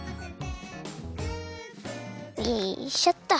よいしょっと！